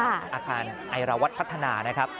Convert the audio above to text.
อาคารไอรวัตรพัฒนานะครับ